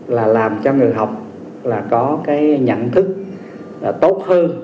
là làm cho người học là có cái nhận thức tốt hơn